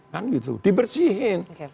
kan gitu dibersihin